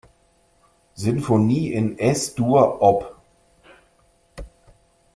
Sinfonie in Es-Dur, op.